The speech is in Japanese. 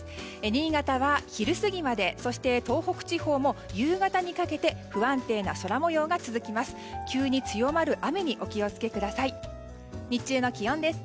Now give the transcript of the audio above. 新潟は昼過ぎまでそして東北地方も夕方にかけて不安定な空模様が続きます。